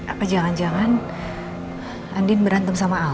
apa jangan jangan andi merantem sama al